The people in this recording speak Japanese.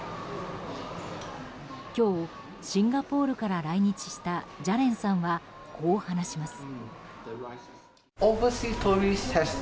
今日、シンガポールから来日したジャレンさんはこう話します。